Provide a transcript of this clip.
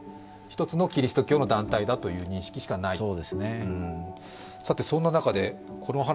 １つのキリスト教の団体だという認識しかないと。